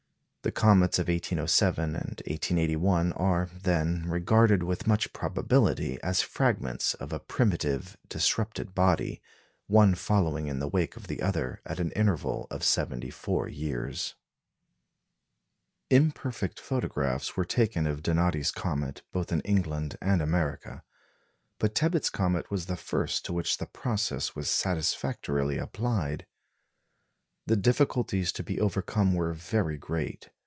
The comets of 1807 and 1881 are, then, regarded with much probability as fragments of a primitive disrupted body, one following in the wake of the other at an interval of seventy four years. Imperfect photographs were taken of Donati's comet both in England and America; but Tebbutt's comet was the first to which the process was satisfactorily applied. The difficulties to be overcome were very great.